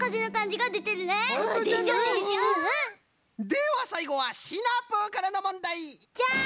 ではさいごはシナプーからのもんだい！じゃん！